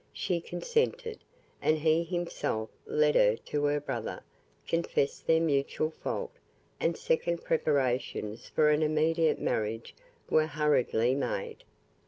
She consented, and he himself led her to her brother, confessed their mutual fault, and second preparations for an immediate marriage were hurriedly made.